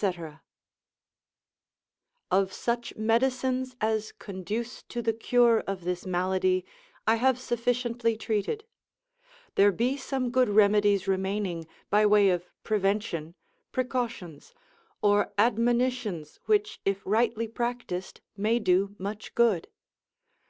_ Of such medicines as conduce to the cure of this malady, I have sufficiently treated; there be some good remedies remaining, by way of prevention, precautions, or admonitions, which if rightly practised, may do much good.